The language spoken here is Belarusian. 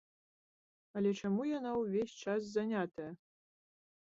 Але чаму яна ўвесь час занятая?